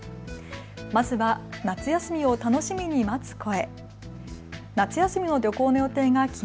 まずは夏休みを楽しみに待つ声。